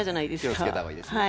気をつけた方がいいですね。